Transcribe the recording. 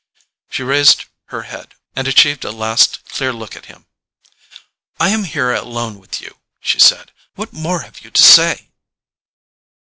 She raised her head, and achieved a last clear look at him. "I am here alone with you," she said. "What more have you to say?"